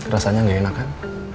rasanya gak enak kan